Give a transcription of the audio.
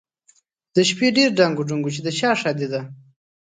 د شپې ډېر ډنګ ډونګ و چې د چا ښادي ده؟